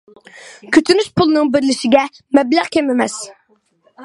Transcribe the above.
كۈتۈنۈش پۇلىنىڭ بېرىلىشىگە مەبلەغ كەم ئەمەس.